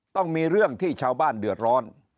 ต้องมีเรื่องที่ชาวบ้านเดือดร้อน